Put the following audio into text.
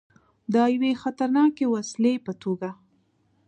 د یوې خطرناکې وسلې په توګه.